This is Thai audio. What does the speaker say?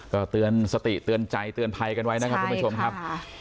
ก็เตือนสติเตือนใจเตือนภัยกันไว้นะครับทุกผู้ชมครับ